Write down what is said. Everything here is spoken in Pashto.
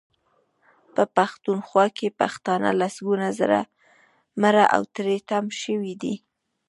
په پښتونخوا کې پښتانه لسګونه زره مړه او تري تم شوي دي.